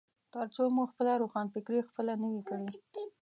ترڅو مو خپله روښانفکري خپله نه وي کړي.